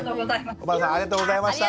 尾花さんありがとうございました。